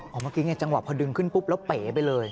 เมื่อกี้ไงจังหวะพอดึงขึ้นปุ๊บแล้วเป๋ไปเลย